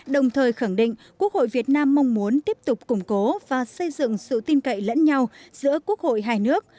đồng thời khẳng định quốc hội việt nam mong muốn tiếp tục củng cố và xây dựng sự tin cậy lẫn nhau giữa quốc hội hai nước